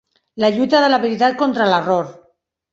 La lluita de la veritat contra l'error.